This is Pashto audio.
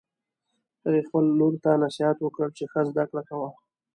هغې خپل لور ته نصیحت وکړ چې ښه زده کړه کوه